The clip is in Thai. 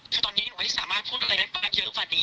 คือตอนนี้หนูไม่สามารถพูดอะไรได้ประมาณเยอะกว่านี้